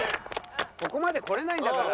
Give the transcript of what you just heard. ここまで来れないんだから。